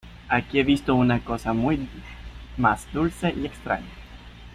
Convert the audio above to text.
Aquí he visto una cosa muy más dulce y extraña.